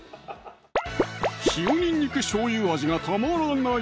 塩にんにくしょうゆ味がたまらない！